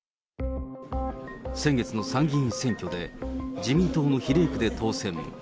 先月の参議院選挙で、自民党の比例区で当選。